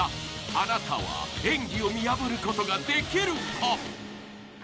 あなたは演技を見破ることができるか。